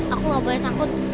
aku gak boleh takut